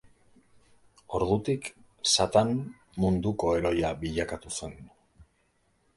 Ordutik Satan munduko heroia bilakatu zen.